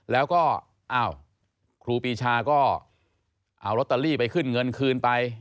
แล้วก็อ้าวครูปีชาก็เอาลอตเตอรี่ไปขึ้นเงินคืนไป